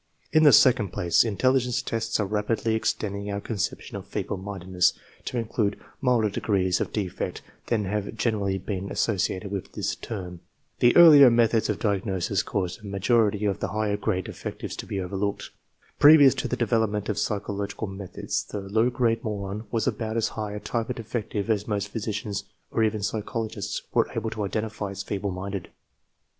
In the second place, intelligence tests are rapidly extending our conception of <fc feeble mindedness " to include milder degrees of defect than have generally been associated with this term. The earlier methods of diagnosis caused a major ity of the higher grade defectives to he overlooked. Pre vious to the development of psychological methods the low grade moron was about as high a type of defective as most physicians or even psychologists were able to identify as feeble minded.